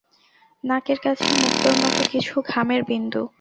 নাকের কাছে মুক্তোর মতো কিছু ঘামের বিন্দু।